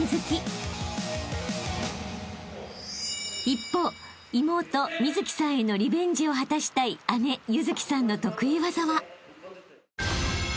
［一方妹美月さんへのリベンジを果たしたい姉優月さんの得意技は］